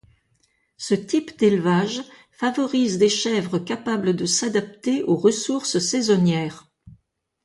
Ce type d’élevage favorise des chèvres capables de s’adapter aux ressources saisonnières.